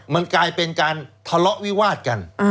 มันกลายเป็นการทะเลาะวิวาดกัน